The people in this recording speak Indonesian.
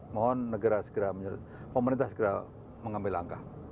mohon pemerintah segera mengambil langkah